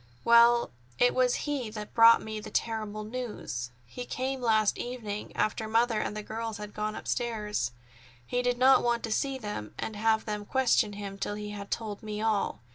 Well, it was he that brought me the terrible news. He came last evening, after mother and the girls had gone upstairs. He did not want to see them and have them question him till he had told me all.